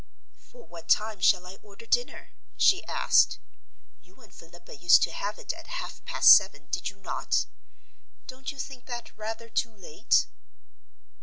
"For what time shall I order dinner?" she asked. "You and Philippa used to have it at half past seven, did you not? Don't you think that rather too late?"